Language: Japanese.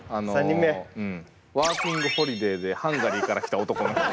ワーキングホリデーでハンガリーから来た男の人。